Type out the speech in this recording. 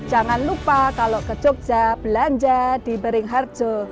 jangan lupa kalau ke jogja belanja di beringharjo